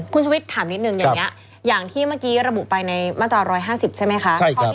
คุณชวิตถามนิดนึงอย่างนั้นอย่างที่เมื่อกี้รบุรบายมาตรวรค์๑๕๐ใช่ไหมครับ